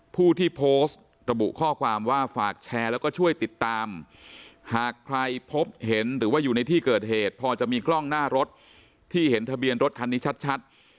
ผู้ที่โพสต์ระบุข้อความว่าฝากแชร์แล้วก็ช่วยติดตามหากใครพบเห็นหรือว่าอยู่ในที่เกิดเหตุพอจะมีกล้องหน้ารถที่เห็นทะเบียนรถคันนี้ชัด